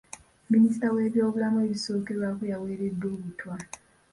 Minisita w'ebyobulamu ebisookerwako y'aweereddwa obutwa.